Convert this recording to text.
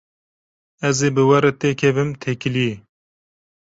Ez ê bi we re têkevim têkiliyê.